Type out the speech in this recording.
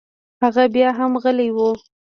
هغه بيا هم غلى و.